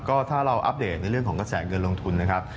ก็ถ้าเราอัปเดตในเรื่องของกระแสเงินลงทุนนะครับ